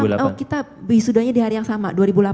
oh kita wisudanya di hari yang sama dua ribu delapan belas